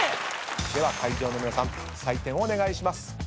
では会場の皆さん採点をお願いします。